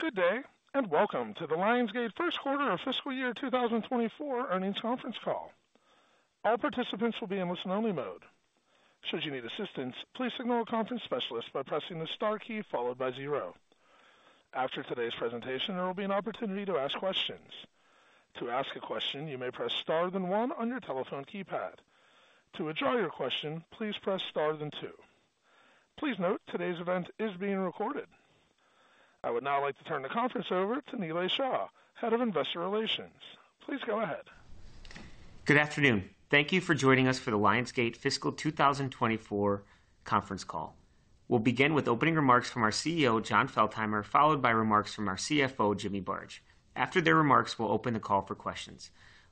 Good day, and welcome to the Lionsgate Q1 of fiscal year 2024 earnings conference call. All participants will be in listen-only mode. Should you need assistance, please signal a conference specialist by pressing the star key followed by zero. After today's presentation, there will be an opportunity to ask questions. To ask a question, you may press star, then one on your telephone keypad. To withdraw your question, please press star, then two. Please note, today's event is being recorded. I would now like to turn the conference over to Nilay Shah, Head of Investor Relations. Please go ahead. Good afternoon. Thank you for joining us for the Lionsgate fiscal 2024 conference call. We'll begin with opening remarks from our CEO Jon Feltheimer, followed by remarks from our CFO Jimmy Barge. After their remarks, we'll open the call for questions.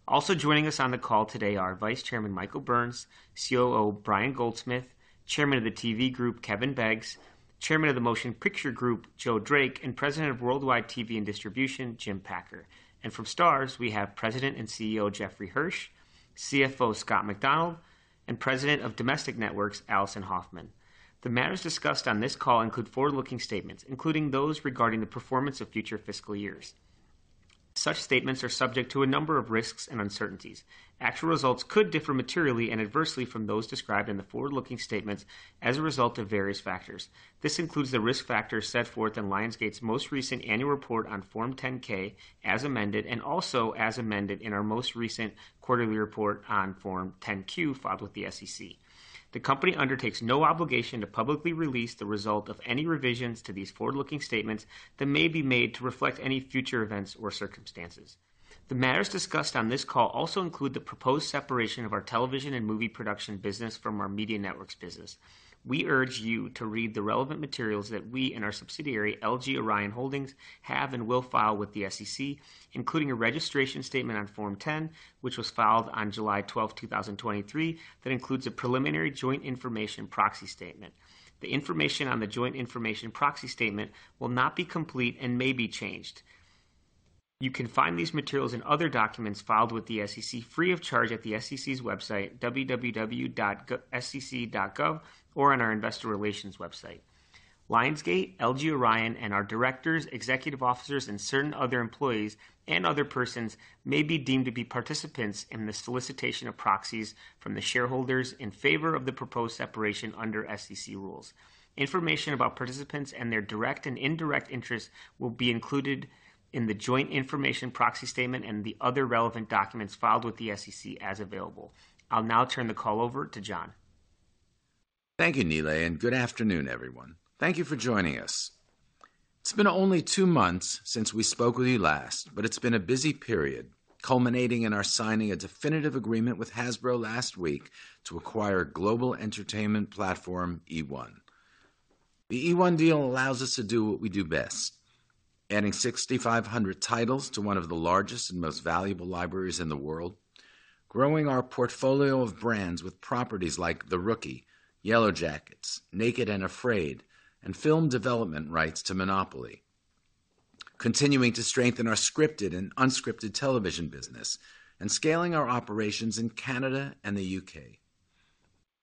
Also joining us on the call today are Vice Chairman Michael Burns, COO Brian Goldsmith, Chairman of the TV Group Kevin Beggs, Chairman of the Motion Picture Group Joe Drake, and President of Worldwide TV and Distribution Jim Packer. From Starz, we have President and CEO Jeffrey Hirsch, CFO Scott MacDonald, and President of Domestic Networks Alison Hoffman. The matters discussed on this call include forward-looking statements, including those regarding the performance of future fiscal years. Such statements are subject to a number of risks and uncertainties. Actual results could differ materially and adversely from those described in the forward-looking statements as a result of various factors. This includes the risk factors set forth in Lionsgate's most recent annual report on Form 10-K, as amended, and also as amended in our most recent quarterly report on Form 10-Q filed with the SEC. The company undertakes no obligation to publicly release the result of any revisions to these forward-looking statements that may be made to reflect any future events or circumstances. The matters discussed on this call also include the proposed separation of our television and movie production business from our media networks business. We urge you to read the relevant materials that we and our subsidiary, LG Orion Holdings, have and will file with the SEC, including a registration statement on Form 10, which was filed on July 12, 2023, that includes a preliminary joint information proxy statement. The information on the joint information proxy statement will not be complete and may be changed. You can find these materials and other documents filed with the SEC free of charge at the SEC's website, www.sec.gov, or on our investor relations website. Lionsgate, LG Orion, and our directors, executive officers, and certain other employees and other persons may be deemed to be participants in the solicitation of proxies from the shareholders in favor of the proposed separation under SEC rules. Information about participants and their direct and indirect interests will be included in the joint information, proxy statement, and the other relevant documents filed with the SEC as available. I'll now turn the call over to Jon. Thank you, Nilay, good afternoon, everyone. Thank you for joining us. It's been only two months since we spoke with you last, but it's been a busy period, culminating in our signing a definitive agreement with Hasbro last week to acquire global entertainment platform eOne. The eOne deal allows us to do what we do best: adding 6,500 titles to one of the largest and most valuable libraries in the world, growing our portfolio of brands with properties like The Rookie, Yellowjackets, Naked and Afraid, and film development rights to Monopoly, continuing to strengthen our scripted and unscripted television business, and scaling our operations in Canada and the U.K.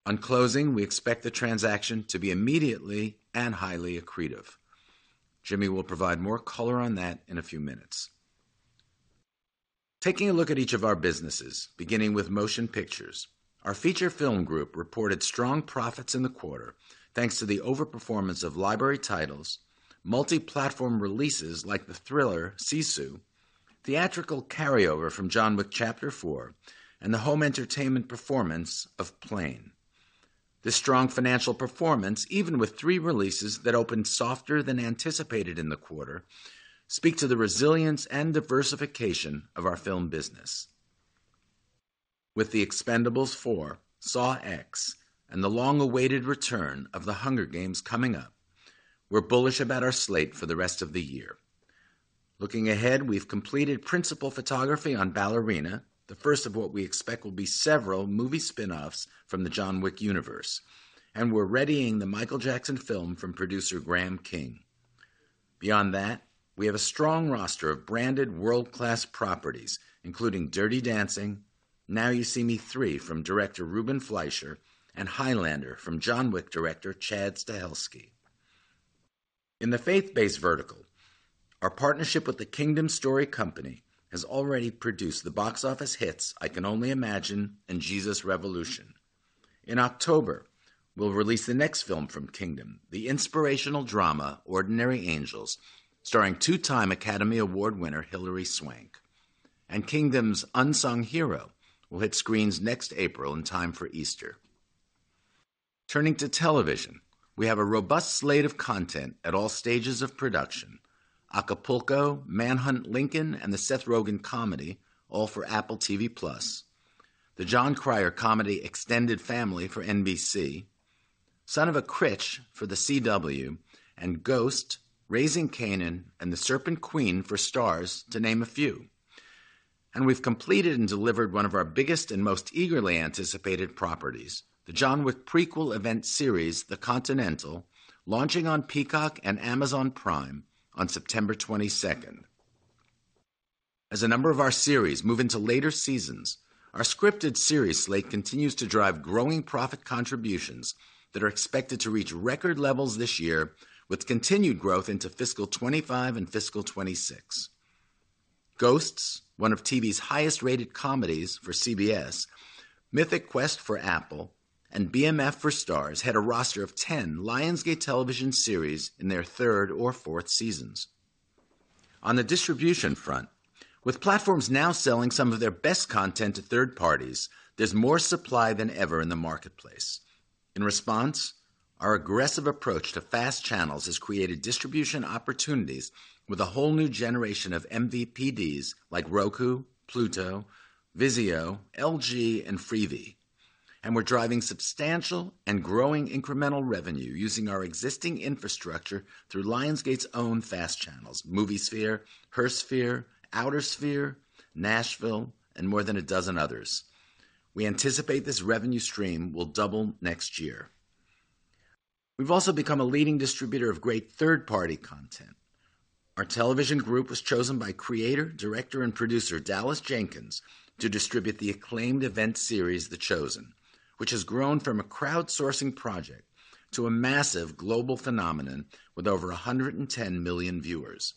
On closing, we expect the transaction to be immediately and highly accretive. Jimmy will provide more color on that in a few minutes. Taking a look at each of our businesses, beginning with Motion Pictures, our feature film group reported strong profits in the quarter, thanks to the overperformance of library titles, multi-platform releases like the thriller Sisu, theatrical carryover from John Wick: Chapter 4, and the home entertainment performance of Plane. This strong financial performance, even with three releases that opened softer than anticipated in the quarter, speak to the resilience and diversification of our film business. With The Expendables 4, Saw X, and the long-awaited return of The Hunger Games coming up, we're bullish about our slate for the rest of the year. Looking ahead, we've completed principal photography on Ballerina, the first of what we expect will be several movie spin-offs from the John Wick universe, and we're readying the Michael Jackson film from producer Graham King. Beyond that, we have a strong roster of branded world-class properties, including Dirty Dancing, Now You See Me 3 from director Ruben Fleischer, and Highlander from John Wick director Chad Stahelski. In the faith-based vertical, our partnership with the Kingdom Story Company has already produced the box office hits I Can Only Imagine and Jesus Revolution. In October, we'll release the next film from Kingdom, the inspirational drama Ordinary Angels, starring two-time Academy Award winner Hilary Swank. Kingdom's Unsung Hero will hit screens next April in time for Easter. Turning to television, we have a robust slate of content at all stages of production. Acapulco, Manhunt: Lincoln, and the Seth Rogen comedy, all for Apple TV+, the Jon Cryer comedy Extended Family for NBC, Son of a Critch for The CW, and Ghosts, Raising Kanan, and The Serpent Queen for Starz, to name a few. We've completed and delivered one of our biggest and most eagerly anticipated properties, the John Wick prequel event series, The Continental, launching on Peacock and Amazon Prime on September 22. As a number of our series move into later seasons, our scripted series slate continues to drive growing profit contributions that are expected to reach record levels this year, with continued growth into fiscal 2025 and fiscal 2026. Ghosts, one of TV's highest-rated comedies for CBS, Mythic Quest for Apple, and BMF for Starz, had a roster of 10 Lionsgate television series in their third or fourth seasons. On the distribution front, with platforms now selling some of their best content to third parties, there's more supply than ever in the marketplace. In response, our aggressive approach to FAST channels has created distribution opportunities with a whole new generation of MVPDs like Roku, Pluto, Vizio, LG, and Freevee. We're driving substantial and growing incremental revenue using our existing infrastructure through Lionsgate's own FAST channels, MovieSphere, HerSphere, OuterSphere, Nashville, and more than 12 others. We anticipate this revenue stream will double next year. We've also become a leading distributor of great third-party content. Our television group was chosen by creator, director, and producer Dallas Jenkins, to distribute the acclaimed event series The Chosen, which has grown from a crowdsourcing project to a massive global phenomenon with over 110 million viewers.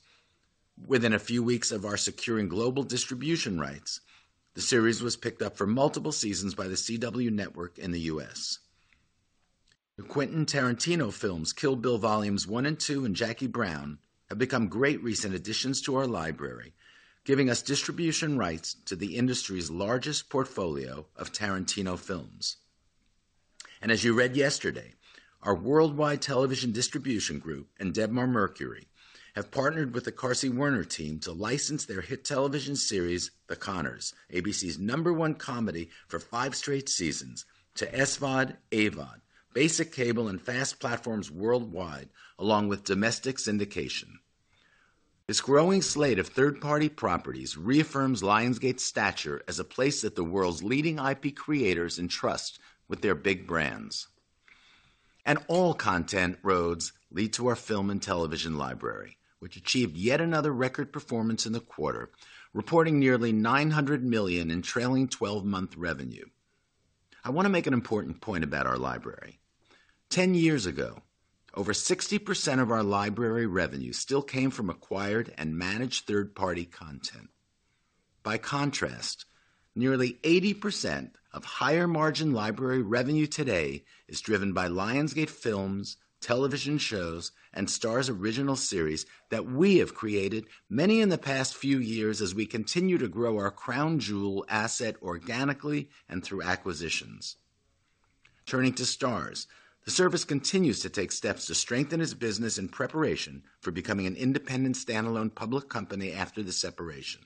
Within a few weeks of our securing global distribution rights, the series was picked up for multiple seasons by The CW Network in the U.S. The Quentin Tarantino films, Kill Bill Volumes 1 and 2, and Jackie Brown, have become great recent additions to our library, giving us distribution rights to the industry's largest portfolio of Tarantino films. As you read yesterday, our worldwide television distribution group and Debmar-Mercury have partnered with the Carsey-Werner team to license their hit television series, The Conners, ABC's number one comedy for five straight seasons, to SVOD, AVOD, basic cable and FAST platforms worldwide, along with domestic syndication. This growing slate of third-party properties reaffirms Lionsgate's stature as a place that the world's leading IP creators entrust with their big brands. All content roads lead to our film and television library, which achieved yet another record performance in the quarter, reporting nearly $900 million in trailing 12-month revenue. I want to make an important point about our library. 10 years ago, over 60% of our library revenue still came from acquired and managed third-party content. By contrast, nearly 80% of higher-margin library revenue today is driven by Lionsgate films, television shows, and Starz original series that we have created, many in the past few years, as we continue to grow our crown jewel asset organically and through acquisitions. Turning to Starz, the service continues to take steps to strengthen its business in preparation for becoming an independent, standalone public company after the separation.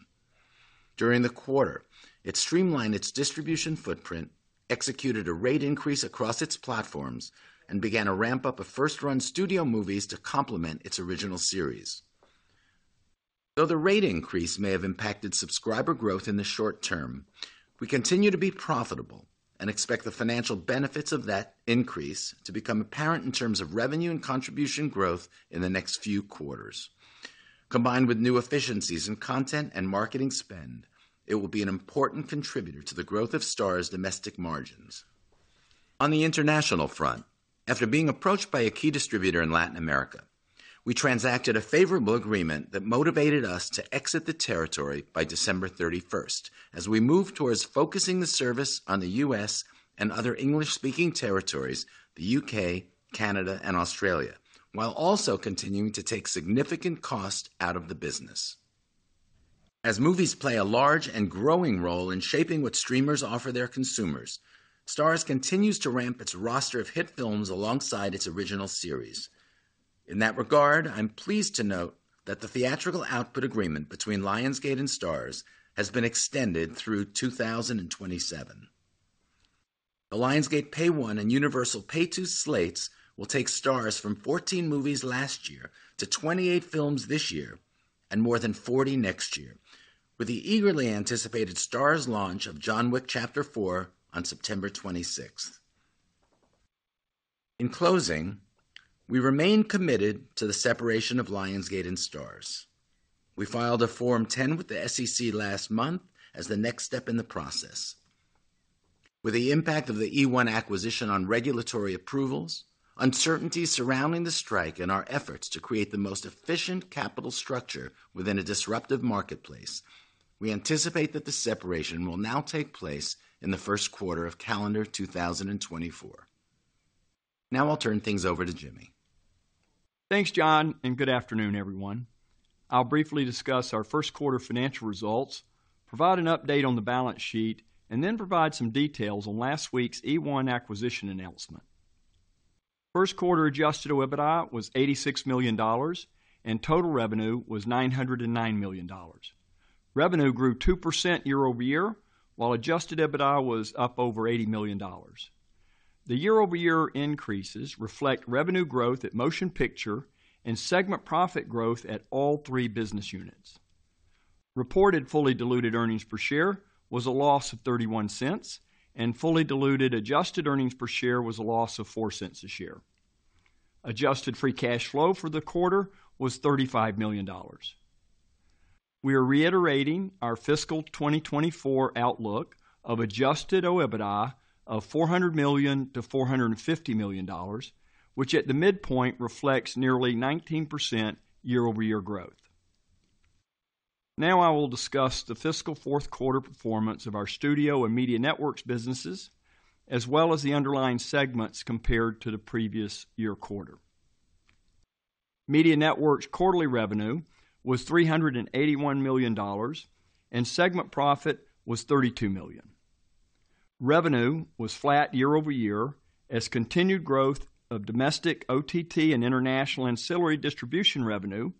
During the quarter, it streamlined its distribution footprint, executed a rate increase across its platforms, and began a ramp-up of first-run studio movies to complement its original series. Though the rate increase may have impacted subscriber growth in the short term, we continue to be profitable and expect the financial benefits of that increase to become apparent in terms of revenue and contribution growth in the next few quarters. Combined with new efficiencies in content and marketing spend, it will be an important contributor to the growth of Starz's domestic margins. On the international front, after being approached by a key distributor in Latin America, we transacted a favorable agreement that motivated us to exit the territory by December 31st as we move towards focusing the service on the U.S. and other English-speaking territories, the U.K., Canada, and Australia, while also continuing to take significant cost out of the business. As movies play a large and growing role in shaping what streamers offer their consumers, Starz continues to ramp its roster of hit films alongside its original series. In that regard, I'm pleased to note that the theatrical output agreement between Lionsgate and Starz has been extended through 2027. The Lionsgate Pay One and Universal Pay Two slates will take Starz from 14 movies last year to 28 films this year, and more than 40 next year, with the eagerly anticipated Starz launch of John Wick: Chapter 4 on September 26th. In closing, we remain committed to the separation of Lionsgate and Starz. We filed a Form 10 with the SEC last month as the next step in the process. With the impact of the eOne acquisition on regulatory approvals, uncertainty surrounding the strike and our efforts to create the most efficient capital structure within a disruptive marketplace, we anticipate that the separation will now take place in the Q1 of calendar 2024. Now I'll turn things over to Jimmy. Thanks, Jon, good afternoon, everyone. I'll briefly discuss our Q1 financial results, provide an update on the balance sheet, and then provide some details on last week's eOne acquisition announcement. Q1 adjusted EBITDA was $86 million, and total revenue was $909 million. Revenue grew 2% year-over-year, while adjusted EBITDA was up over $80 million. The year-over-year increases reflect revenue growth at Motion Picture and segment profit growth at all three business units. Reported fully diluted earnings per share was a loss of $0.31, and fully diluted adjusted earnings per share was a loss of $0.04 a share. Adjusted free cash flow for the quarter was $35 million. We are reiterating our fiscal 2024 outlook of adjusted OIBDA of $400 million-$450 million, which at the midpoint reflects nearly 19% year-over-year growth. Now I will discuss the fiscal Q4 performance of our Studio and Media Networks businesses, as well as the underlying segments compared to the previous year quarter. Media Networks quarterly revenue was $381 million, and segment profit was $32 million. Revenue was flat year-over-year, as continued growth of domestic OTT and international ancillary distribution revenue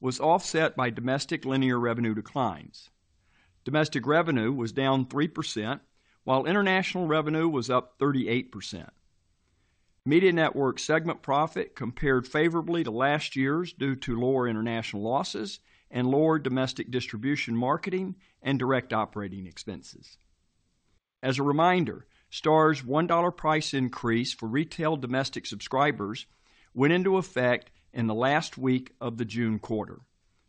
was offset by domestic linear revenue declines. Domestic revenue was down 3%, while international revenue was up 38%. Media Network segment profit compared favorably to last year's due to lower international losses and lower domestic distribution, marketing, and direct operating expenses. As a reminder, Starz's $1 price increase for retail domestic subscribers went into effect in the last week of the June quarter.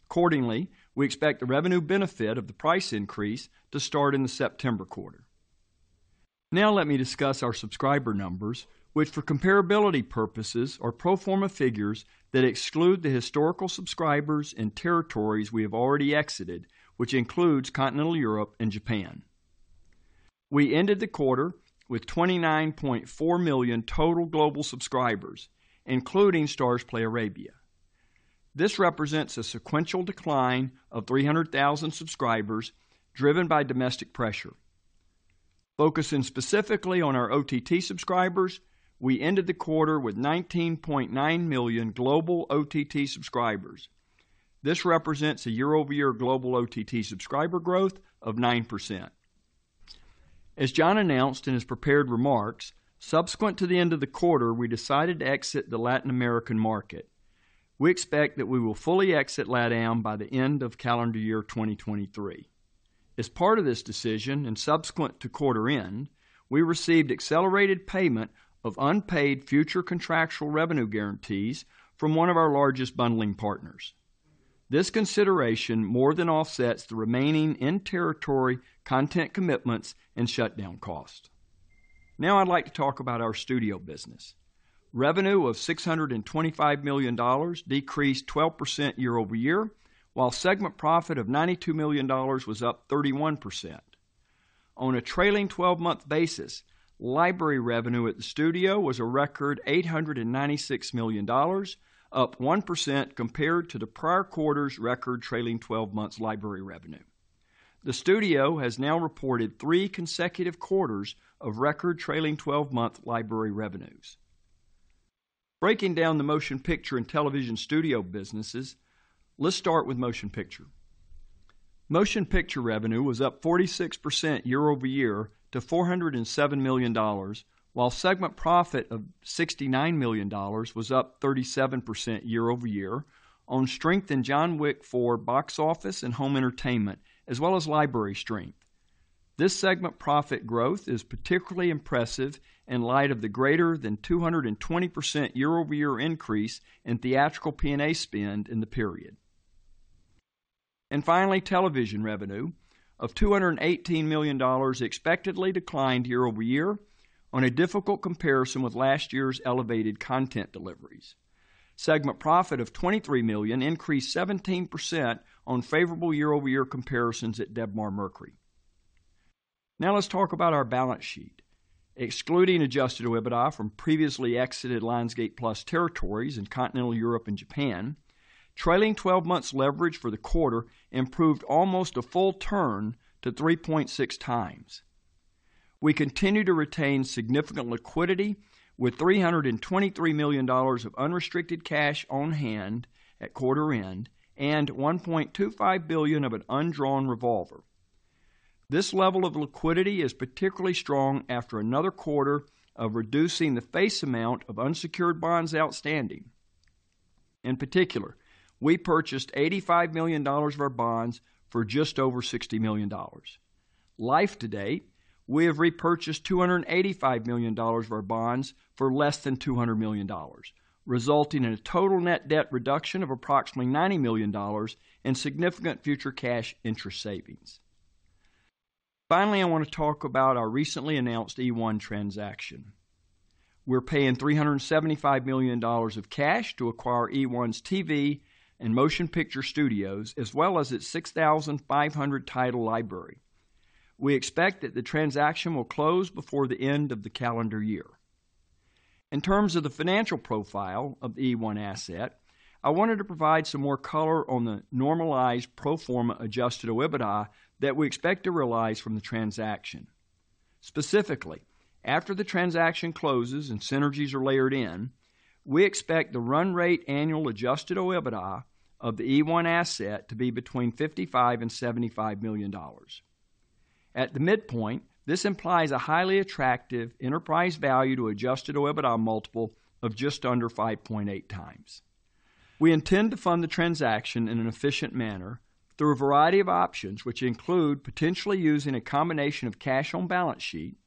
Accordingly, we expect the revenue benefit of the price increase to start in the September quarter. Now let me discuss our subscriber numbers, which, for comparability purposes, are pro forma figures that exclude the historical subscribers and territories we have already exited, which includes Continental Europe and Japan. We ended the quarter with 29.4 million total global subscribers, including Starzplay Arabia. This represents a sequential decline of 300,000 subscribers, driven by domestic pressure. Focusing specifically on our OTT subscribers, we ended the quarter with 19.9 million global OTT subscribers. This represents a year-over-year global OTT subscriber growth of 9%. As Jon announced in his prepared remarks, subsequent to the end of the quarter, we decided to exit the Latin American market. We expect that we will fully exit LATAM by the end of calendar year 2023. As part of this decision and subsequent to quarter end, we received accelerated payment of unpaid future contractual revenue guarantees from one of our largest bundling partners. This consideration more than offsets the remaining in-territory content commitments and shutdown cost. I'd like to talk about our Studio business. Revenue of $625 million decreased 12% year-over-year, while segment profit of $92 million was up 31%. On a trailing 12-month basis, library revenue at the Studio was a record $896 million, up 1% compared to the prior quarter's record trailing 12-month library revenue. The Studio has now reported three consecutive quarters of record trailing 12-month library revenues. Breaking down the Motion Picture and Television Studio businesses, let's start with Motion Picture. Motion picture revenue was up 46% year-over-year to $407 million, while segment profit of $69 million was up 37% year-over-year on strength in John Wick four box office and home entertainment, as well as library strength. This segment profit growth is particularly impressive in light of the greater than 220% year-over-year increase in theatrical P&A spend in the period. Finally, television revenue of $218 million expectedly declined year-over-year on a difficult comparison with last year's elevated content deliveries. Segment profit of $23 million increased 17% on favorable year-over-year comparisons at Debmar-Mercury. Now let's talk about our balance sheet. Excluding adjusted OIBDA from previously exited Lionsgate+ territories in Continental Europe and Japan, trailing 12 months leverage for the quarter improved almost a full turn to 3.6x. We continue to retain significant liquidity, with $323 million of unrestricted cash on hand at quarter end and $1.25 billion of an undrawn revolver. This level of liquidity is particularly strong after another quarter of reducing the face amount of unsecured bonds outstanding. In particular, we purchased $85 million of our bonds for just over $60 million. Life to date, we have repurchased $285 million of our bonds for less than $200 million, resulting in a total net debt reduction of approximately $90 million and significant future cash interest savings. I want to talk about our recently announced eOne transaction. We're paying $375 million of cash to acquire eOne's TV and motion picture studios, as well as its 6,500 title library. We expect that the transaction will close before the end of the calendar year. In terms of the financial profile of the eOne asset, I wanted to provide some more color on the normalized pro forma adjusted OIBDA that we expect to realize from the transaction. Specifically, after the transaction closes and synergies are layered in, we expect the run rate annual adjusted OIBDA of the eOne asset to be between $55 million and $75 million. At the midpoint, this implies a highly attractive enterprise value to adjusted OIBDA multiple of just under 5.8x. We intend to fund the transaction in an efficient manner through a variety of options, which include potentially using a combination of cash on balance sheet,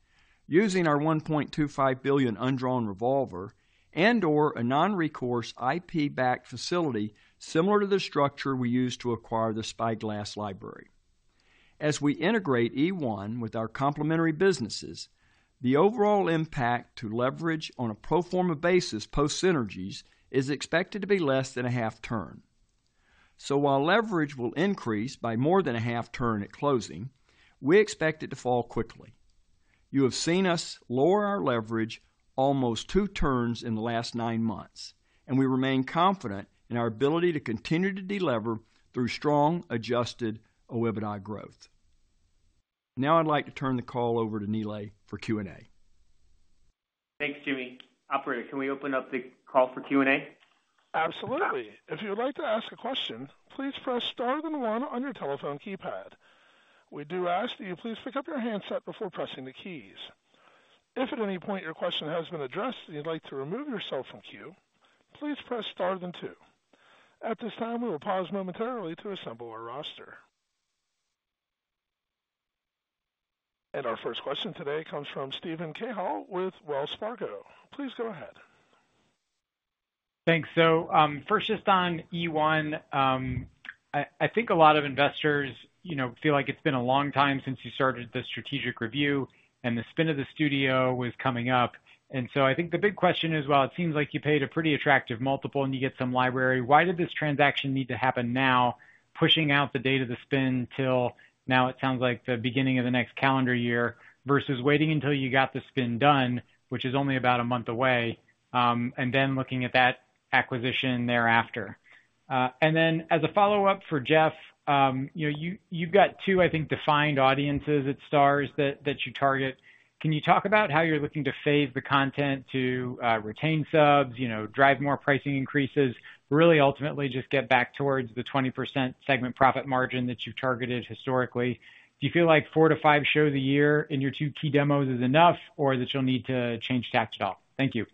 using our $1.25 billion undrawn revolver, and/or a non-recourse IP-backed facility similar to the structure we used to acquire the Spyglass library. As we integrate eOne with our complementary businesses, the overall impact to leverage on a pro forma basis, post synergies, is expected to be less than a 0.5 turn. While leverage will increase by more than a 0.5 turn at closing, we expect it to fall quickly. You have seen us lower our leverage almost two turns in the last nine months, and we remain confident in our ability to continue to delever through strong, adjusted OIBDA growth. Now I'd like to turn the call over to Nilay for Q&A. Thanks, Jimmy. Operator, can we open up the call for Q&A? Absolutely. If you would like to ask a question, please press star then one on your telephone keypad. We do ask that you please pick up your handset before pressing the keys. If at any point your question has been addressed and you'd like to remove yourself from queue, please press star then two. At this time, we will pause momentarily to assemble our roster. Our first question today comes from Steven Cahall with Wells Fargo. Please go ahead. Thanks. First, just on eOne, I, I think a lot of investors, you know, feel like it's been a long time since you started the strategic review and the spin of the studio was coming up. I think the big question is, while it seems like you paid a pretty attractive multiple and you get some library, why did this transaction need to happen now, pushing out the date of the spin till now it sounds like the beginning of the next calendar year, versus waiting until you got the spin done, which is only about one month away, and then looking at that acquisition thereafter? As a follow-up for Jeff, you know, you, you've got two, I think, defined audiences at Starz that, that you target. Can you talk about how you're looking to phase the content to retain subs, you know, drive more pricing increases, really ultimately just get back towards the 20% segment profit margin that you've targeted historically? Do you feel like four to five shows a year in your two key demos is enough, or that you'll need to change tact at all? Thank you.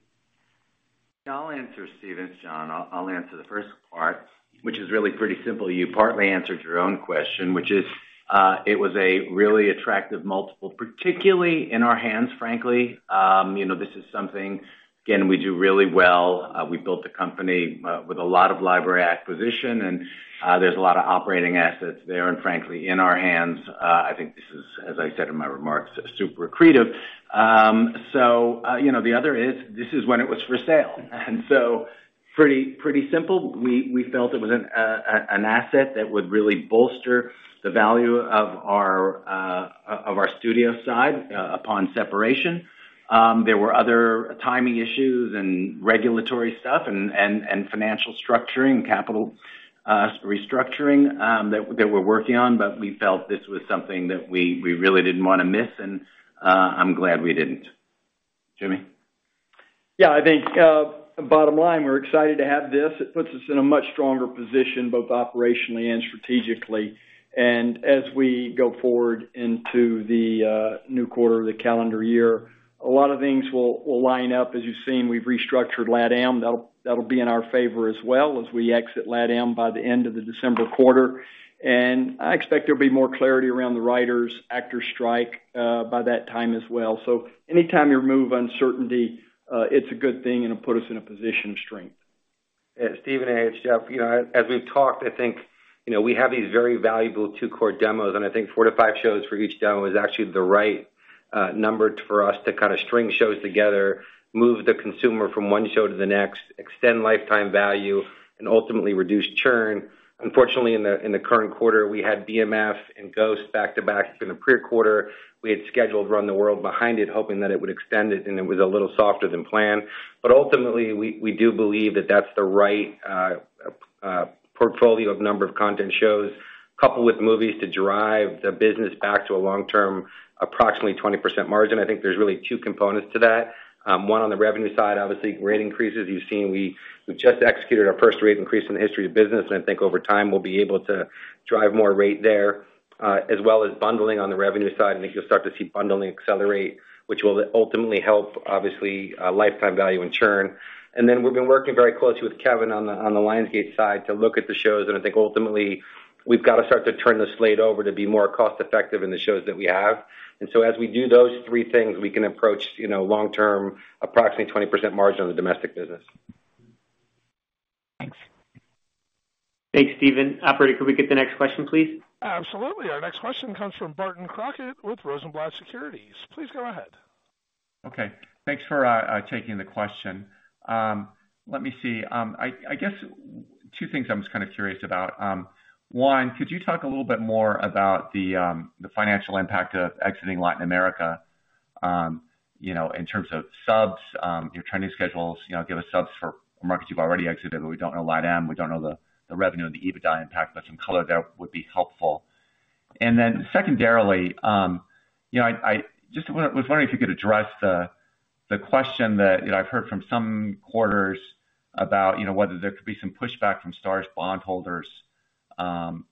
I'll answer Steven, Sean. I'll, I'll answer the first part, which is really pretty simple. You partly answered your own question, which is, it was a really attractive multiple, particularly in our hands, frankly. You know, this is something, again, we do really well. We built the company with a lot of library acquisition, and there's a lot of operating assets there and frankly, in our hands. I think this is, as I said in my remarks, super accretive. You know, the other is, this is when it was for sale, and so pretty, pretty simple. We, we felt it was an asset that would really bolster the value of our, of our studio side, upon separation. There were other timing issues and regulatory stuff and, and, and financial structuring, capital, restructuring, that, that we're working on, but we felt this was something that we, we really didn't wanna miss, and, I'm glad we didn't. Jimmy? Yeah, I think, bottom line, we're excited to have this. It puts us in a much stronger position, both operationally and strategically. As we go forward into the new quarter of the calendar year, a lot of things will, will line up. As you've seen, we've restructured LATAM. That'll, that'll be in our favor as well, as we exit LATAM by the end of the December quarter. I expect there'll be more clarity around the writers, actors strike by that time as well. Anytime you remove uncertainty, it's a good thing, and it'll put us in a position of strength. Yeah, Steven, hey, it's Jeff. You know, as we've talked, I think, you know, we have these very valuable two core demos, and I think four to five shows for each demo is actually the right number for us to kinda string shows together, move the consumer from one show to the next, extend lifetime value, and ultimately reduce churn. Unfortunately, in the, in the current quarter, we had BMF and Ghost back-to-back. In the prior quarter, we had scheduled Run the World behind it, hoping that it would extend it, and it was a little softer than planned. Ultimately, we, we do believe that that's the right portfolio of number of content shows, coupled with movies to drive the business back to a long-term, approximately 20% margin. I think there's really two components to that. 1, on the revenue side, obviously, rate increases. You've seen we just executed our first rate increase in the history of business, and I think over time, we'll be able to drive more rate there, as well as bundling on the revenue side. I think you'll start to see bundling accelerate, which will ultimately help, obviously, lifetime value and churn. We've been working very closely with Kevin on the Lionsgate side to look at the shows. I think ultimately, we've got to start to turn the slate over to be more cost-effective in the shows that we have. As we do those three things, we can approach, you know, long term, approximately 20% margin on the domestic business. Thanks. Thanks, Stephen. Operator, could we get the next question, please? Absolutely. Our next question comes from Barton Crockett with Rosenblatt Securities. Please go ahead. Okay. Thanks for taking the question. Let me see. I, I guess two things I'm just kinda curious about. One, could you talk a little bit more about the financial impact of exiting Latin America, you know, in terms of subs, your trending schedules, you know, give us subs for markets you've already exited, but we don't know LATAM, we don't know the revenue and the EBITDA impact, but some color there would be helpful. Then secondarily, you know, I, I just was wondering if you could address the question that, you know, I've heard from some quarters about, you know, whether there could be some pushback from Starz bondholders,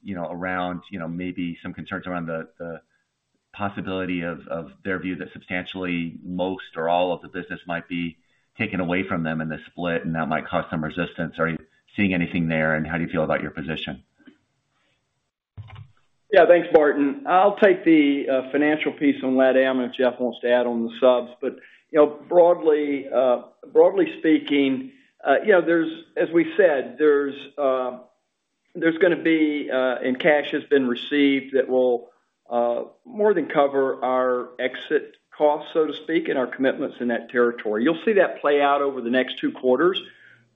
you know, around, you know, maybe some concerns around the, the...... possibility of their view that substantially most or all of the business might be taken away from them in the split, and that might cause some resistance. Are you seeing anything there, and how do you feel about your position? Yeah, thanks, Barton. I'll take the financial piece on LatAm, and if Jeff wants to add on the subs. You know, broadly, broadly speaking, you know, as we said, there's gonna be, and cash has been received that will more than cover our exit costs, so to speak, and our commitments in that territory. You'll see that play out over the next two quarters,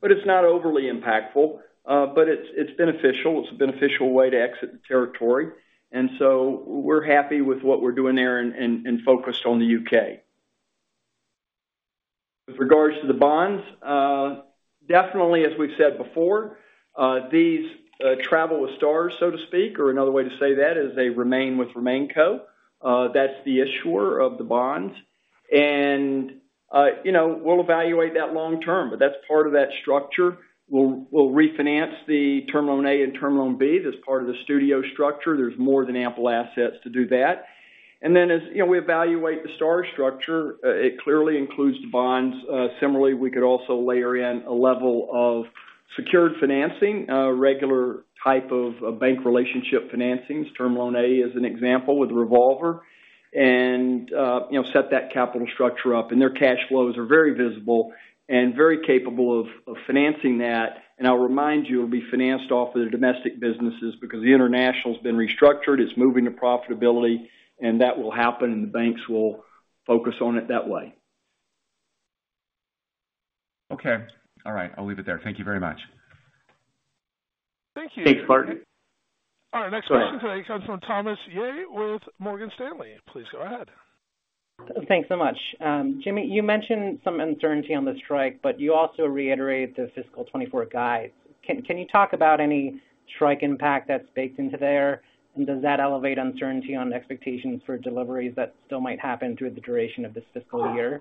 it's not overly impactful. It's, it's beneficial. It's a beneficial way to exit the territory, so we're happy with what we're doing there and, and, and focused on the U.K. With regards to the bonds, definitely, as we've said before, these travel with Starz, so to speak, or another way to say that is they remain with RemainCo. That's the issuer of the bonds. You know, we'll evaluate that long term, but that's part of that structure. We'll, we'll refinance the Term Loan A and Term Loan B. That's part of the Studio structure. There's more than ample assets to do that. As, you know, we evaluate the Starz structure, it clearly includes the bonds. Similarly, we could also layer in a level of secured financing, a regular type of a bank relationship financings. Term Loan A is an example with revolver, you know, set that capital structure up, and their cash flows are very visible and very capable of, of financing that. I'll remind you, it'll be financed off of the domestic businesses because the international's been restructured, it's moving to profitability, and that will happen, and the banks will focus on it that way. Okay. All right, I'll leave it there. Thank you very much. Thank you. Thanks, Barton. All right. Next question today comes from Thomas Yeh with Morgan Stanley. Please go ahead. Thanks so much. Jimmy, you mentioned some uncertainty on the strike, you also reiterated the fiscal 2024 guide. Can you talk about any strike impact that's baked into there? Does that elevate uncertainty on the expectations for deliveries that still might happen through the duration of this fiscal year?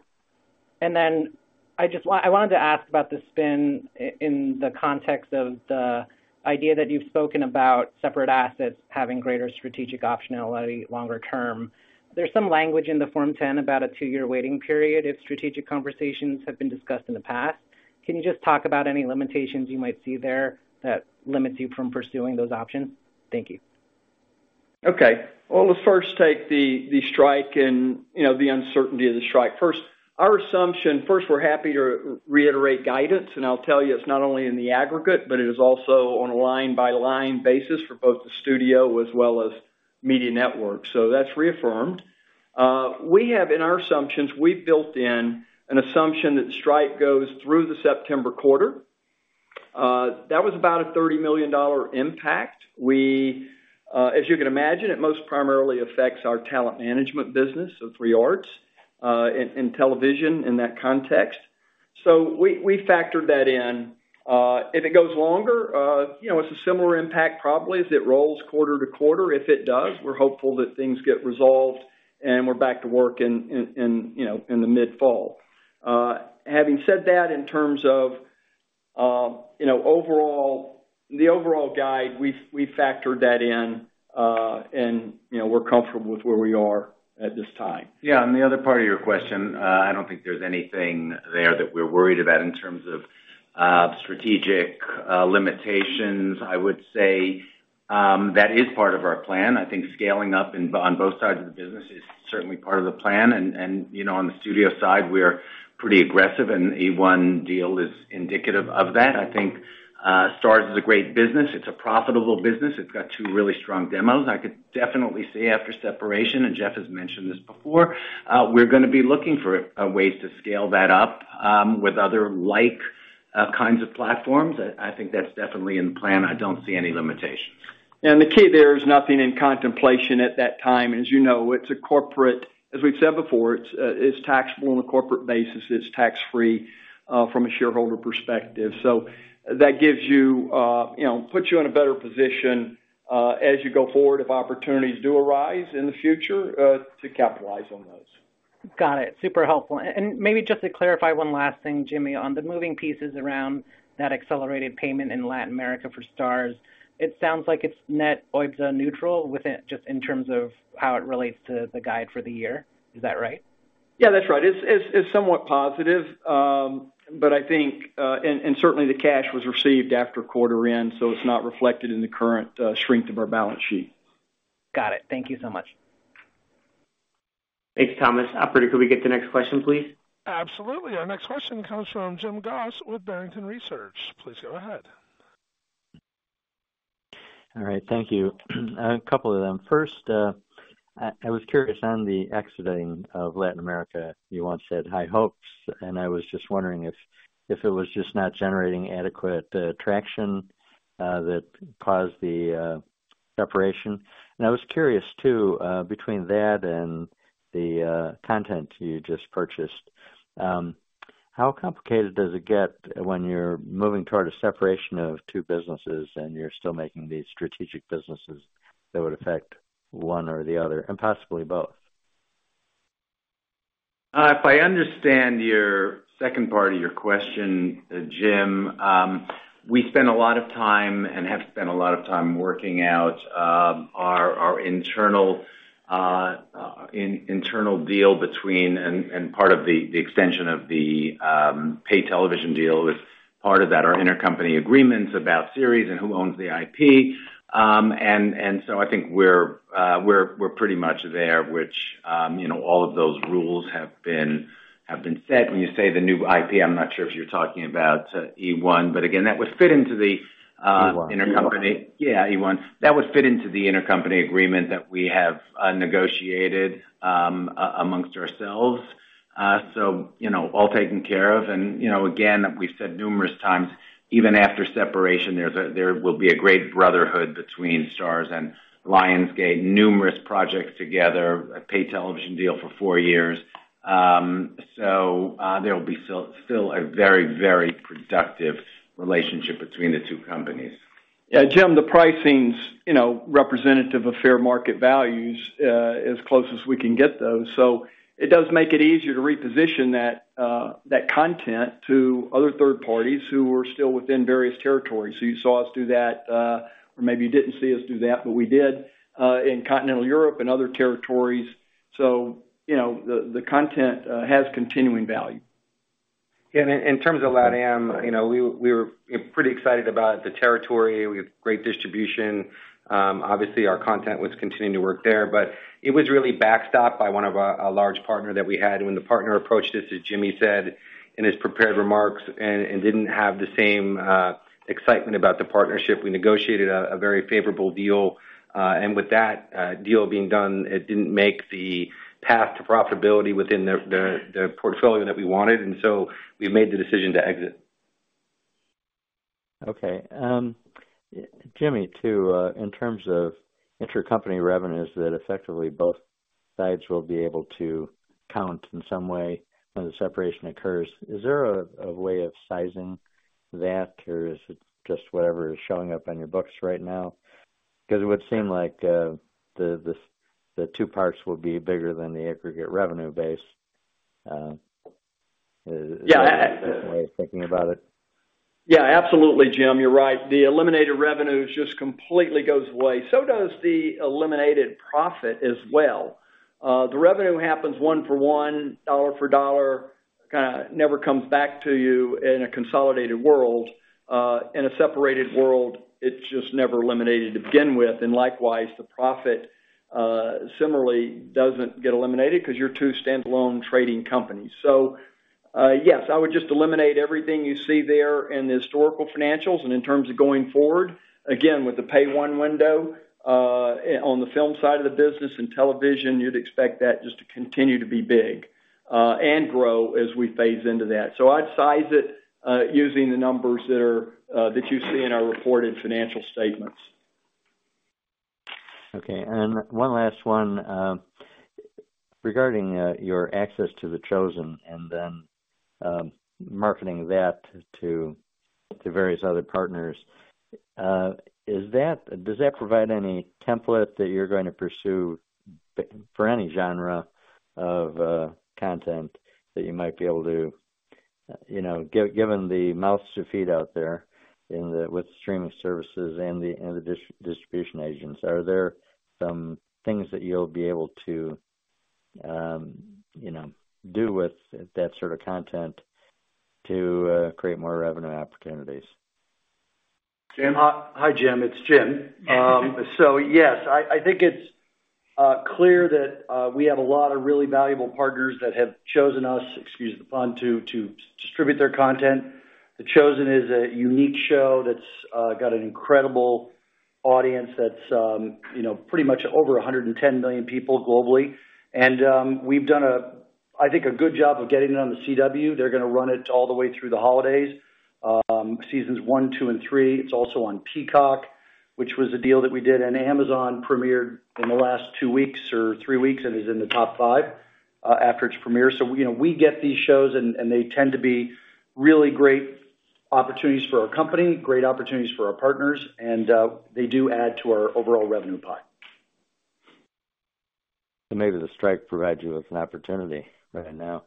I just wanted to ask about the spin in the context of the idea that you've spoken about separate assets having greater strategic optionality longer term. There's some language in the Form 10 about a two-year waiting period if strategic conversations have been discussed in the past. Can you just talk about any limitations you might see there that limits you from pursuing those options? Thank you. Okay, well, let's first take the, the strike and, you know, the uncertainty of the strike. First, we're happy to reiterate guidance, and I'll tell you, it's not only in the aggregate, but it is also on a line-by-line basis for both the studio as well as media network. That's reaffirmed. We have in our assumptions, we've built in an assumption that the strike goes through the September quarter. That was about a $30 million impact. We, as you can imagine, it most primarily affects our talent management business of Three Arts, in television, in that context. We, we factored that in. If it goes longer, you know, it's a similar impact, probably, as it rolls quarter-to-quarter. If it does, we're hopeful that things get resolved and we're back to work in, in, in, you know, in the mid-fall. Having said that, in terms of, you know, overall, the overall guide, we've, we've factored that in, and, you know, we're comfortable with where we are at this time. The other part of your question, I don't think there's anything there that we're worried about in terms of strategic limitations. I would say that is part of our plan. I think scaling up in, on both sides of the business is certainly part of the plan. You know, on the studio side, we're pretty aggressive, and the eOne deal is indicative of that. I think Starz is a great business. It's a profitable business. It's got two really strong demos. I could definitely say after separation, and Jeff has mentioned this before, we're gonna be looking for ways to scale that up with other like kinds of platforms. I, I think that's definitely in the plan. I don't see any limitations. The key there is nothing in contemplation at that time. As you know, as we've said before, it's taxable on a corporate basis. It's tax-free from a shareholder perspective. That gives you, you know, puts you in a better position as you go forward, if opportunities do arise in the future to capitalize on those. Got it. Super helpful. Maybe just to clarify one last thing, Jimmy, on the moving pieces around that accelerated payment in Latin America for Starz, it sounds like it's net OIBDA neutral within just in terms of how it relates to the guide for the year. Is that right? Yeah, that's right. It's, it's, it's somewhat positive, but I think. Certainly the cash was received after quarter end, so it's not reflected in the current strength of our balance sheet. Got it. Thank you so much. Thanks, Thomas. Operator, could we get the next question, please? Absolutely. Our next question comes from Jim Goss with Barrington Research. Please go ahead. All right, thank you. A couple of them. First, I, I was curious on the exiting of Latin America. You once said, "High hopes," and I was just wondering if, if it was just not generating adequate traction that caused the separation. I was curious, too, between that and the content you just purchased, how complicated does it get when you're moving toward a separation of two businesses and you're still making these strategic businesses that would affect one or the other, and possibly both?... if I understand your second part of your question, Jim, we spend a lot of time and have spent a lot of time working out, our, our internal, in- internal deal between and, and part of the, the extension of the, pay television deal is part of that, our intercompany agreements about series and who owns the IP. I think we're, we're, we're pretty much there, which, you know, all of those rules have been, have been set. When you say the new IP, I'm not sure if you're talking about eOne, but again, that would fit into the. eOne. Intercompany. Yeah, eOne. That would fit into the intercompany agreement that we have negotiated amongst ourselves. So, you know, all taken care of. You know, again, we've said numerous times, even after separation, there's there will be a great brotherhood between Starz and Lionsgate, numerous projects together, a paid television deal for four years. So, there will be still, still a very, very productive relationship between the two companies. Yeah, Jim, the pricing's, you know, representative of fair market values, as close as we can get, though. It does make it easier to reposition that content to other third parties who are still within various territories. You saw us do that, or maybe you didn't see us do that, but we did, in Continental Europe and other territories. You know, the, the content has continuing value. Yeah, in terms of LATAM, you know, we were pretty excited about the territory. We have great distribution. Obviously, our content was continuing to work there, but it was really backstopped by one of our, a large partner that we had. When the partner approached us, as Jimmy Barge said in his prepared remarks, and didn't have the same excitement about the partnership, we negotiated a very favorable deal. With that deal being done, it didn't make the path to profitability within the portfolio that we wanted, and so we made the decision to exit. Okay. Jimmy, too, in terms of intercompany revenues, that effectively both sides will be able to count in some way when the separation occurs, is there a way of sizing that, or is it just whatever is showing up on your books right now? Because it would seem like, the two parts will be bigger than the aggregate revenue base... Yeah. Way of thinking about it. Yeah, absolutely, Jim. You're right. The eliminated revenue just completely goes away, so does the eliminated profit as well. The revenue happens one for one, dollar for dollar, kind of never comes back to you in a consolidated world. In a separated world, it's just never eliminated to begin with. Likewise, the profit similarly doesn't get eliminated because you're two standalone trading companies. Yes, I would just eliminate everything you see there in the historical financials. In terms of going forward, again, with the Pay One window on the film side of the business and television, you'd expect that just to continue to be big and grow as we phase into that. I'd size it using the numbers that are that you see in our reported financial statements. Okay. One last one, regarding your access to The Chosen and then marketing that to various other partners, does that provide any template that you're going to pursue for any genre of content that you might be able to, you know, given the mouths to feed out there in the, with the streaming services and the distribution agents, are there some things that you'll be able to, you know, do with that sort of content to create more revenue opportunities? Jim? Hi, Jim. It's Jim. Yeah. Yes, I, I think it's clear that we have a lot of really valuable partners that have chosen us, excuse the pun, to distribute their content. The Chosen is a unique show that's got an incredible audience that's, you know, pretty much over 110 million people globally. We've done a, I think, a good job of getting it on The CW. They're gonna run it all the way through the holidays, seasons 1, 2, and 3. It's also on Peacock, which was a deal that we did, and Amazon premiered in the last two weeks or three weeks and is in the top five after its premiere. You know, we get these shows and they tend to be really great opportunities for our company, great opportunities for our partners, and they do add to our overall revenue pie. Maybe the strike provides you with an opportunity right now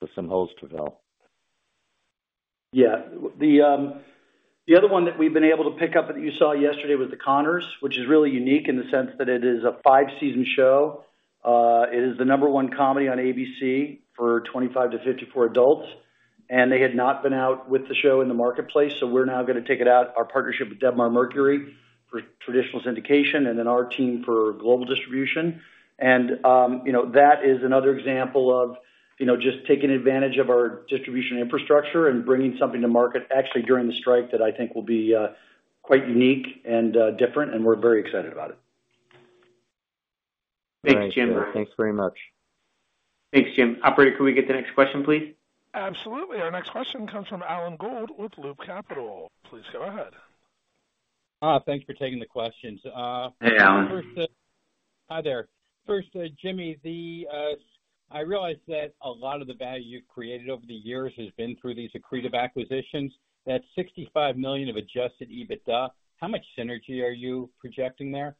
with some holes to fill. Yeah. The other one that we've been able to pick up that you saw yesterday was The Conners, which is really unique in the sense that it is a five-season show. It is the number one comedy on ABC for 25 to 54 adults, and they had not been out with the show in the marketplace. We're now gonna take it out, our partnership with Debmar-Mercury for traditional syndication and then our team for global distribution. You know, that is another example of, you know, just taking advantage of our distribution infrastructure and bringing something to market actually during the strike, that I think will be quite unique and different, and we're very excited about it. Thanks, Jim. Thanks very much. Thanks, Jim. Operator, could we get the next question, please? Absolutely. Our next question comes from Alan Gould with Loop Capital. Please go ahead. Thanks for taking the questions. Hey, Alan. First, Hi there. First, Jimmy Barge, the, I realize that a lot of the value you've created over the years has been through these accretive acquisitions. That $65 million of adjusted OIBDA, how much synergy are you projecting there?...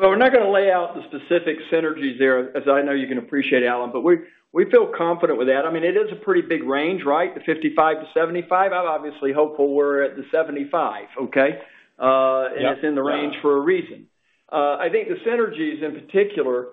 We're not gonna lay out the specific synergies there, as I know you can appreciate, Alan, but we, we feel confident with that. I mean, it is a pretty big range, right? The 55-75. I'm obviously hopeful we're at the 75, okay? Yep. It's in the range for a reason. I think the synergies in particular,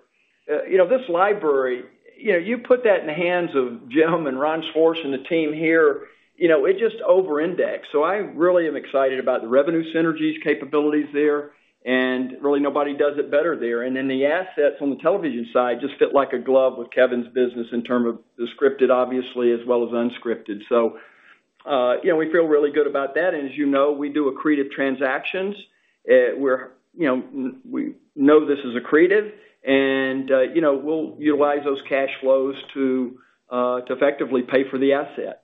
you know, this library, you know, you put that in the hands of Jim and Ron Schwartz and the team here, you know, it just over-indexed. I really am excited about the revenue synergies capabilities there, and really nobody does it better there. Then the assets on the television side just fit like a glove with Kevin's business in term of the scripted, obviously, as well as unscripted. You know, we feel really good about that, and as you know, we do accretive transactions. You know, we know this is accretive, and, you know, we'll utilize those cash flows to effectively pay for the asset.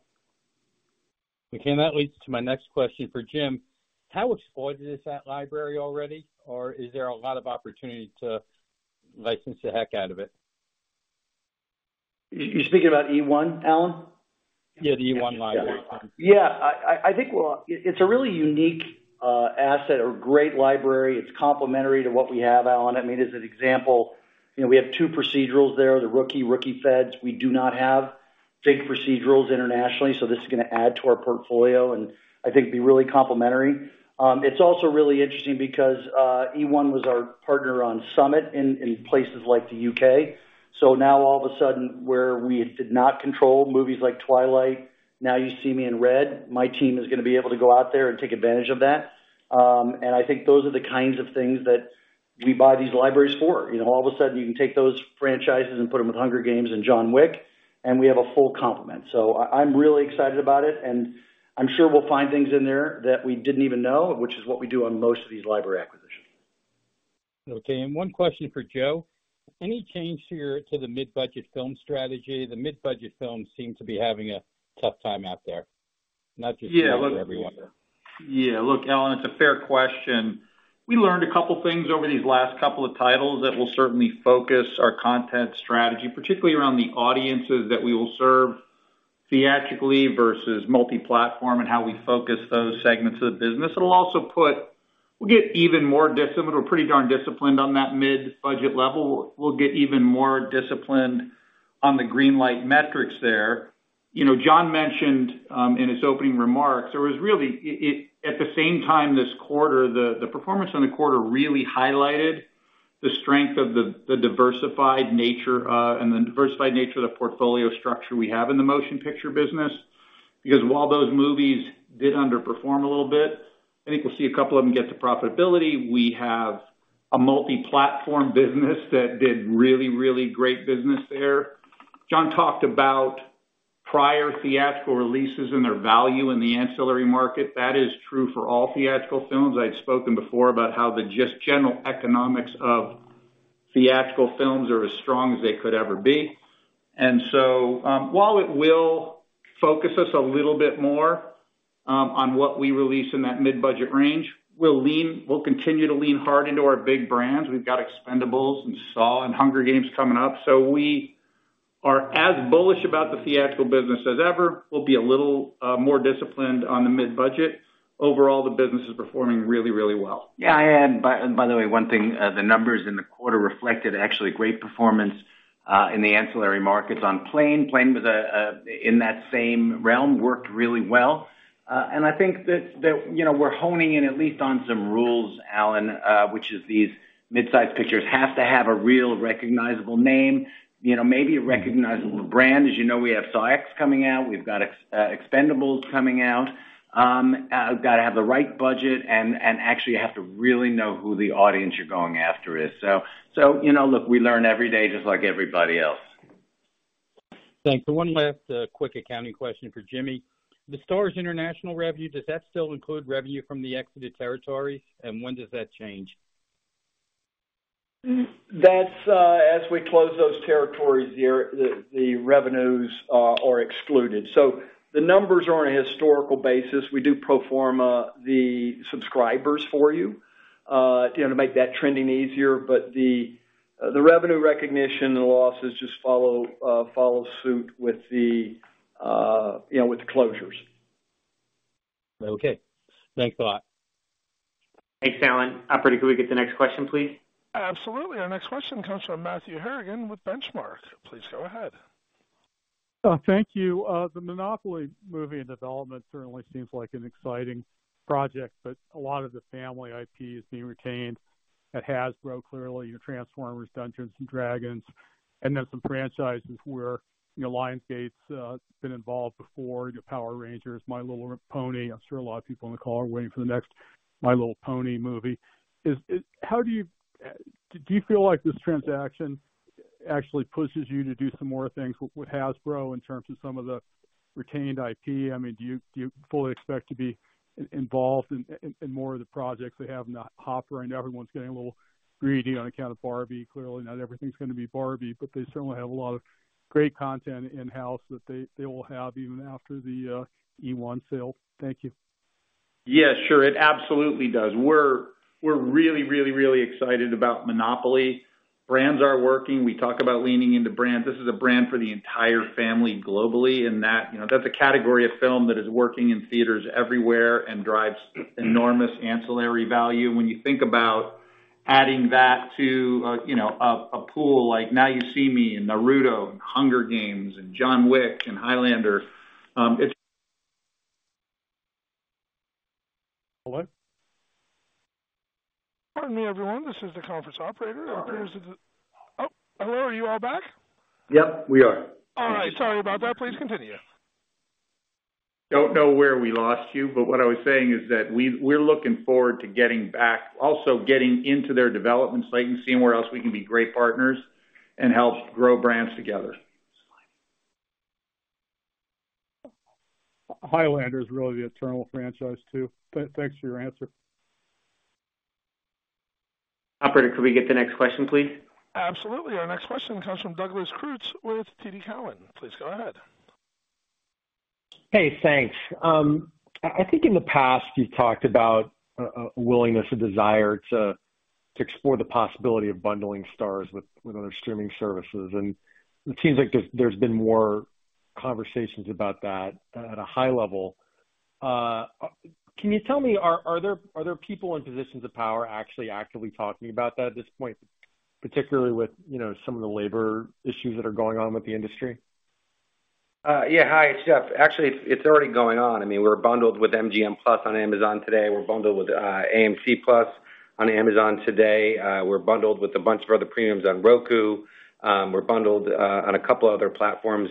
Okay, and that leads to my next question for Jim. How exploited is that library already, or is there a lot of opportunity to license the heck out of it? You're speaking about eOne, Alan? Yeah, the eOne library. Yeah. I, I, think, well, it's a really unique asset or great library. It's complementary to what we have, Alan. I mean, as an example, you know, we have two procedurals there, The Rookie, The Rookie: Feds. We do not have big procedurals internationally, this is gonna add to our portfolio, and I think be really complementary. It's also really interesting because eOne was our partner on Summit in, in places like the U.K. Now, all of a sudden, where we did not control movies like Twilight, Now You See Me and Red, my team is gonna be able to go out there and take advantage of that. I think those are the kinds of things that we buy these libraries for. You know, all of a sudden, you can take those franchises and put them with Hunger Games and John Wick, and we have a full complement. I'm really excited about it, and I'm sure we'll find things in there that we didn't even know, which is what we do on most of these library acquisitions. Okay, one question for Joe. Any change to the mid-budget film strategy? The mid-budget films seem to be having a tough time out there, not just- Yeah. For everyone. Yeah. Look, Alan, it's a fair question. We learned a couple things over these last couple of titles that will certainly focus our content strategy, particularly around the audiences that we will serve theatrically versus multi-platform, and how we focus those segments of the business. It'll also put... We'll get even more disciplined. We're pretty darn disciplined on that mid-budget level. We'll, we'll get even more disciplined on the green light metrics there. You know, Jon mentioned in his opening remarks, there was really at the same time this quarter, the performance on the quarter really highlighted the strength of the diversified nature and the diversified nature of the portfolio structure we have in the motion picture business. Because while those movies did underperform a little bit, I think we'll see a couple of them get to profitability. We have a multi-platform business that did really, really great business there. Jon talked about prior theatrical releases and their value in the ancillary market. That is true for all theatrical films. I'd spoken before about how the just general economics of theatrical films are as strong as they could ever be. While it will focus us a little bit more on what we release in that mid-budget range, we'll continue to lean hard into our big brands. We've got The Expendables and Saw and The Hunger Games coming up, we are as bullish about the theatrical business as ever. We'll be a little more disciplined on the mid-budget. Overall, the business is performing really, really well. By, and by the way, one thing, the numbers in the quarter reflected actually great performance in the ancillary markets on Plane. Plane with a, in that same realm, worked really well. I think that, that, you know, we're honing in at least on some rules, Alan, which is these mid-size pictures, have to have a real recognizable name, you know, maybe a recognizable brand. As you know, we have Saw X coming out, we've got Expendables coming out. We've got to have the right budget and, and actually have to really know who the audience you're going after is. You know, look, we learn every day, just like everybody else. Thanks. One last quick accounting question for Jimmy. The Starz international revenue, does that still include revenue from the exited territories, and when does that change? That's, as we close those territories, the, the, the revenues are excluded. The numbers are on a historical basis. We do pro forma the subscribers for you, you know, to make that trending easier. The, the revenue recognition, the losses just follow, follow suit with the, you know, with the closures. Okay, thanks a lot. Thanks, Alan. Operator, can we get the next question, please? Absolutely. Our next question comes from Matthew Harrigan with Benchmark. Please go ahead. Thank you. The Monopoly movie in development certainly seems like an exciting project, but a lot of the family IP is being retained. At Hasbro, clearly, your Transformers, Dungeons & Dragons, and then some franchises where, you know, Lionsgate's been involved before, your Power Rangers, My Little Pony. I'm sure a lot of people on the call are waiting for the next My Little Pony movie. Is, is how do you do you feel like this transaction actually pushes you to do some more things with, with Hasbro in terms of some of the retained IP? I mean, do you, do you fully expect to be i-involved in, in, in more of the projects they have in the hopper? I know everyone's getting a little greedy on account of Barbie. Clearly, not everything's gonna be Barbie, but they certainly have a lot of great content in-house that they, they will have even after the EOne sale. Thank you. Yes, sure. It absolutely does. We're, we're really, really, really excited about Monopoly. ...brands are working. We talk about leaning into brands. This is a brand for the entire family globally, and that, you know, that's a category of film that is working in theaters everywhere and drives enormous ancillary value. When you think about adding that to, you know, a, a pool like Now You See Me and Naruto and Hunger Games and John Wick and Highlander, it's... Hello? Pardon me, everyone. This is the conference operator. It appears as if-- Oh, hello, are you all back? Yep, we are. All right, sorry about that. Please continue. Don't know where we lost you, but what I was saying is that we, we're looking forward to getting back, also getting into their development slate and seeing where else we can be great partners and help grow brands together. Highlander is really the eternal franchise, too. Thanks for your answer. Operator, could we get the next question, please? Absolutely. Our next question comes from Doug Creutz with TD Cowen. Please go ahead. Hey, thanks. I, I think in the past, you've talked about willingness and desire to, to explore the possibility of bundling Starz with, with other streaming services, and it seems like there's, there's been more conversations about that at a high level. Can you tell me, are, are there, are there people in positions of power actually actively talking about that at this point, particularly with, you know, some of the labor issues that are going on with the industry? Yeah. Hi, it's Jeff. Actually, it's already going on. I mean, we're bundled with MGM+ on Amazon today. We're bundled with AMC+ on Amazon today. We're bundled with a bunch of other premiums on Roku. We're bundled on 2 other platforms.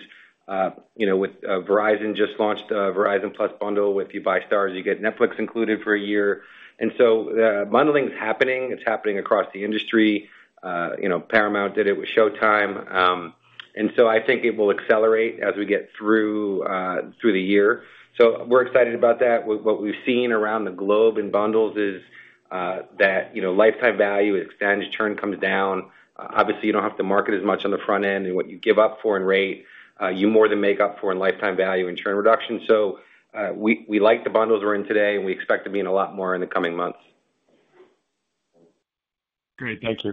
You know, with Verizon just launched a Verizon+ bundle. If you buy Starz, you get Netflix included for a year. The bundling is happening. It's happening across the industry. You know, Paramount did it with Showtime. I think it will accelerate as we get through through the year. We're excited about that. What, what we've seen around the globe in bundles is that, you know, lifetime value extends, churn comes down. Obviously, you don't have to market as much on the front end, and what you give up for in rate, you more than make up for in lifetime value and churn reduction. We like the bundles we're in today, and we expect to be in a lot more in the coming months. Great. Thank you.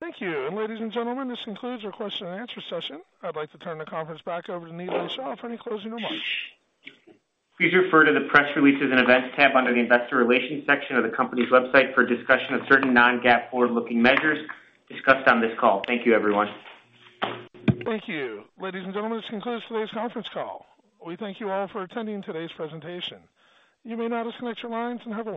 Thank you. Ladies and gentlemen, this concludes our question and answer session. I'd like to turn the conference back over to Nilay Shah for any closing remarks. Please refer to the press releases and events tab under the investor relations section of the company's website for a discussion of certain non-GAAP forward-looking measures discussed on this call. Thank you, everyone. Thank you. Ladies and gentlemen, this concludes today's conference call. We thank you all for attending today's presentation. You may now disconnect your lines and have a great day.